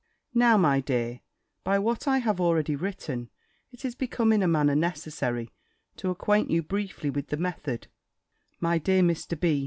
Now, my dear, by what I have already written, it is become in a manner necessary to acquaint you briefly with the method my dear Mr. B.